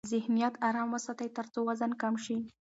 ذهنیت آرام وساتئ ترڅو وزن کم شي.